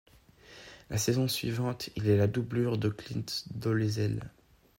La saison suivante, il est la doublure de Clint Dolezel.